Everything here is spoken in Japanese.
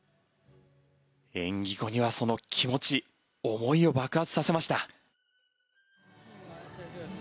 演技後には、その気持ち思いを爆発させました。